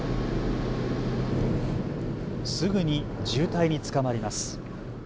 すぐに渋滞につかまります。